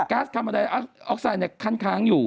กัสคาร์บอนไดออกไซด์ค่างอยู่